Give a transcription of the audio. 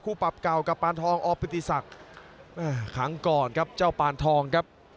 ปรับเก่ากับปานทองอปิติศักดิ์ครั้งก่อนครับเจ้าปานทองครับ